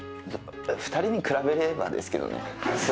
２人に比べればですけどね。